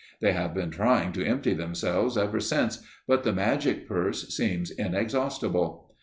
They have been trying to empty themselves ever since, but the magic purse seems inexhaustible.